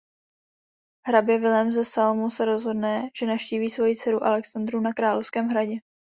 Hrabě Vilém ze Salmu se rozhodne že navštíví svoji dceru Alexandru na královském hradě.